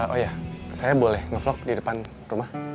oh iya saya boleh ngevlog di depan rumah